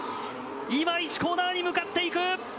今、１コーナーに向かっていく。